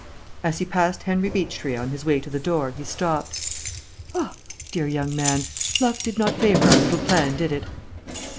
As he passed Henry Beechtree on his way to the door, he stopped. "Ah, my dear young man. Luck did not favour our little plan, did it?"